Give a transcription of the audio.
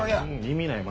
意味ない。